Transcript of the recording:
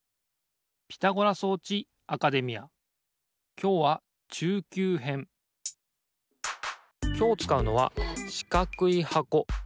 きょうはきょうつかうのはしかくいはこ。